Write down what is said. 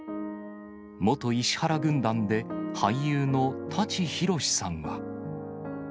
元石原軍団で俳優の舘ひろしさんは。